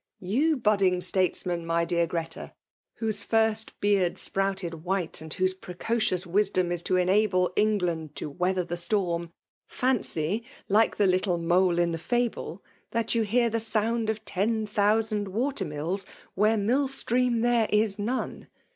'^ You. buddiuf statesmen, my dear Greta, whose first beard sprouted white, and whose, precocious wisdom is to enable England to weather the storxn, fancy, like the little mole in the fable, that you hear the sound of ten thousand water mills, where mill stream there is none.